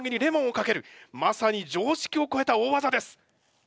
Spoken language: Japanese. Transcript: まさに常識をこえた大技です！